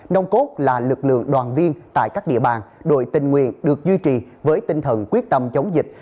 nông cốt là lực lượng đoàn viên tại các địa bàn đội tình nguyện được duy trì với tinh thần quyết tâm chống dịch